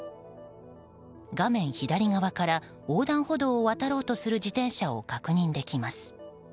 画面左側から横断歩道を渡ろうとする自転車を確認できます。